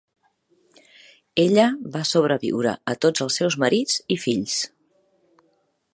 Ella va sobreviure a tots els seus marits i fills.